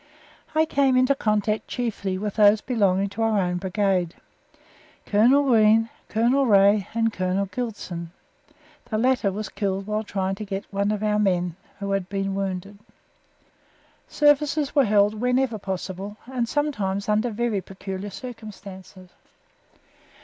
I came into contact chiefly with those belonging to our own Brigade. Colonel Green, Colonel Wray, and Captain Gillitson; the latter was killed while trying to get one of our men who had been wounded. Services were held whenever possible, and sometimes under very peculiar circumstances.